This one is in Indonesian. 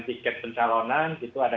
tiket pencalonan itu ada